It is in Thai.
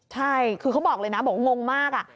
ใช่คือเขาบอกเลยนะบอกว่างงมาก